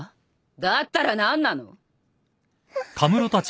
だったら何なの？